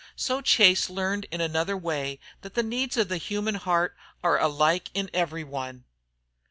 So Chase learned in another way that the needs of the human heart are alike in every one.